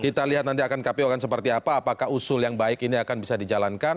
kita lihat nanti akan kpu akan seperti apa apakah usul yang baik ini akan bisa dijalankan